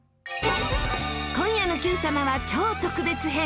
今夜の『Ｑさま！！』は超特別編。